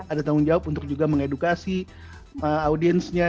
ada tanggung jawab untuk juga mengedukasi audiensnya